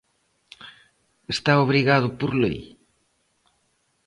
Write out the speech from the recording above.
¿Está obrigado por lei?